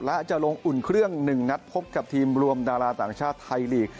และจะลงอุ่นเครื่อง๑นัดพบกับทีมรวมดาราต่างชาติไทยลีก